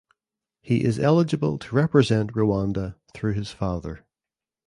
He is eligible to represent Rwanda through his father.